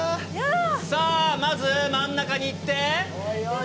まず真ん中に行って。